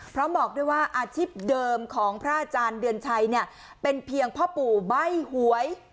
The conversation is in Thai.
บอกด้วยว่าอาชีพเดิมของพระอาจารย์เดือนชัยเป็นเพียงพ่อปู่ใบ้หวย